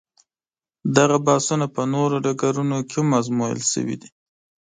دغه بحثونه په نورو ډګرونو کې هم ازمویل شوي دي.